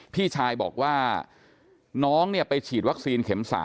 พี่ชายบอกว่าน้องไปฉีดวัคซีนเข็ม๓